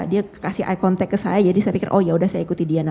dia kasih ite contact ke saya jadi saya pikir oh yaudah saya ikuti dia